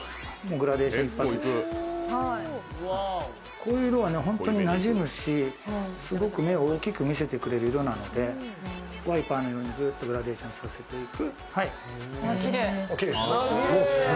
こういう色はなじむし、すごく目を大きく見せてくれる色なのでワイパーのようにグーッとグラデーションさせていく。